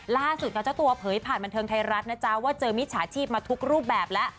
ล่าสุดค่ะเจ้าตัวเผยผ่านบันเทิงไทยรัฐนะจ๊ะว่าเจอมิจฉาชีพมาทุกรูปแบบแล้ว